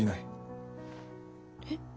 えっ？